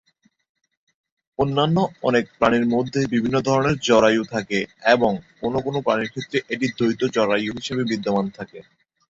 অন্যান্য অনেক প্রাণীর মধ্যে বিভিন্ন ধরনের জরায়ু থাকে এবং কোন কোন প্রাণীর ক্ষেত্রে এটি দ্বৈত জরায়ু হিসেবে বিদ্যমান থাকে।